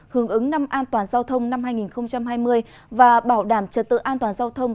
hướng ứng năm an toàn giao thông năm hai nghìn hai mươi và bảo đảm trật tự an toàn giao thông